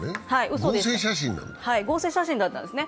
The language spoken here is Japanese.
合成写真だったんですね。